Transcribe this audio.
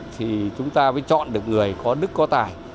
thì chúng ta mới chọn được người có đức có tài